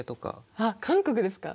あっ韓国ですか。